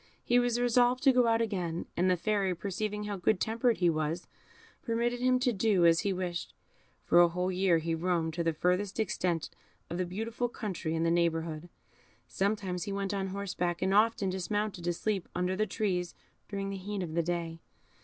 He was resolved to go out again, and the Fairy, perceiving how good tempered he was, permitted him to do as he wished. For a whole year he roamed to the furthest extent of the beautiful country in the neighbourhood; sometimes he went on horseback, and often dismounted to sleep under the trees during the heat of the day.